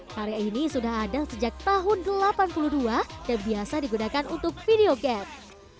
karya ini sudah ada sejak tahun seribu sembilan ratus delapan puluh dua dan biasa digunakan untuk video gap